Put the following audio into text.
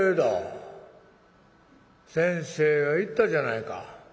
先生が言ったじゃないか。